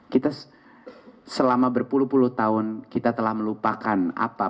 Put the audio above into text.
kita selama berpuluh puluh tahun kita telah melupakan apa